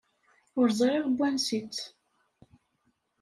Ur ẓriɣ n wansi-tt.